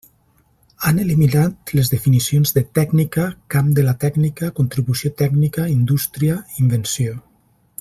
Han eliminat les definicions de “tècnica”, “camp de la tècnica”, “contribució tècnica”, “indústria”, “invenció”.